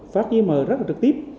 phát giới mở rất là trực tiếp